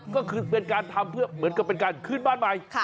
ก็เป็นการทำเหมือนเป็นการขึ้นบ้านใหม่